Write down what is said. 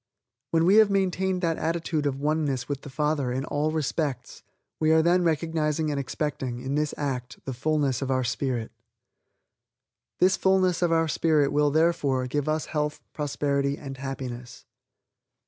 When we have maintained that attitude of one ness with the Father in all respects, we are then recognizing and expecting, in this act, the fullness of our spirit. This fullness of our spirit will, therefore, give us health, prosperity and happiness.